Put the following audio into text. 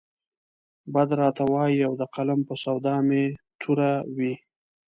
بد راته وايي او د قلم په سودا مې توره وي.